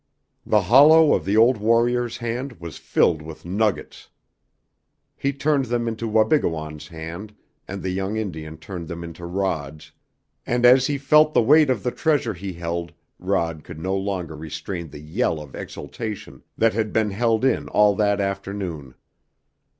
The hollow of the old warrior's hand was filled with nuggets! He turned them into Wabigoon's hand, and the young Indian turned them into Rod's, and as he felt the weight of the treasure he held Rod could no longer restrain the yell of exultation that had been held in all that afternoon.